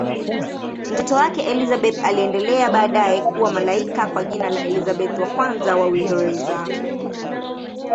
Mtoto wake Elizabeth aliendelea baadaye kuwa malkia kwa jina la Elizabeth I wa Uingereza.